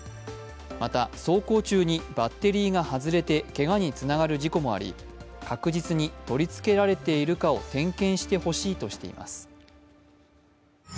また、走行中にバッテリーが外れてけがにつながる事故もあり確実に取り付けられているかを点検してほしいとしています。